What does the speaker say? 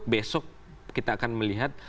besok kita akan melihat